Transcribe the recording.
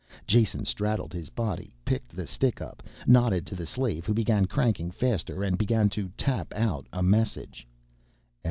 Jason straddled his body, picked the stick up, nodded to the slave who began cranking faster, and began to tap out a message.